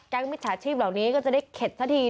มิจฉาชีพเหล่านี้ก็จะได้เข็ดซะที